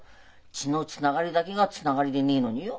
血のつながりだけがつながりでねえのによ。